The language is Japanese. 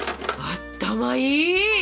あったまいい！